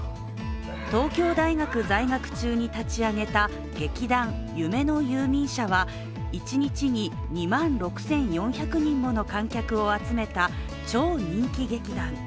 東京大学在学中に立ち上げた劇団・夢の遊眠社は一日に２万６４００人もの観客を集めた超人気劇団。